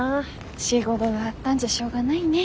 仕事があったんじゃしょうがないね。